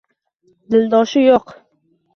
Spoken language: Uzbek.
Dildoshi yo’q